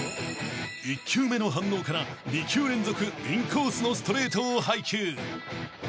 ［１球目の反応から２球連続インコースのストレートを配球］